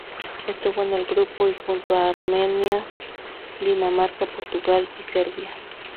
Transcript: Estuvo en el grupo I junto a Armenia, Dinamarca, Portugal y Serbia.